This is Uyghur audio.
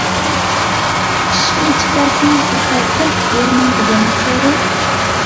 ئىشىكنى ئېچىپ بەرسىڭىز بىر تال كەمپۈت بېرىمەن، دېگەن ئوخشايدۇ.